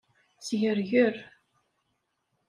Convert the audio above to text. Sgerger.